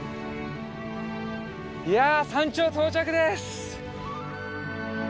いや山頂到着です！